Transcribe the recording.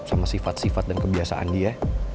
sama sifat sifat dan kebiasaan dia